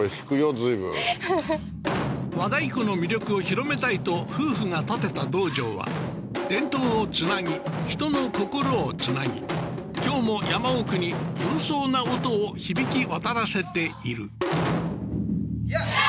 随分和太鼓の魅力を広めたいと夫婦が建てた道場は伝統をつなぎ人の心をつなぎ今日も山奥に勇壮な音を響き渡らせているヤー！